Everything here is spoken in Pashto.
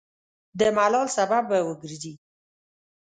د ملال سبب به وګرځي.